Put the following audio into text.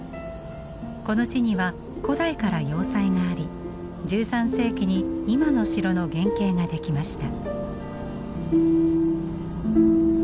この地には古代から要塞があり１３世紀に今の城の原型が出来ました。